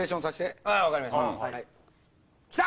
きた！